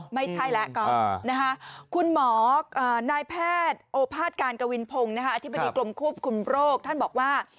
ไม่ใช่แล้วก็คุณหมอนายแพทย์โอภาษการกวินพงศ์อธิบดีกรมควบคุมโรคท่านบอกว่า